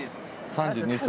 ３２歳。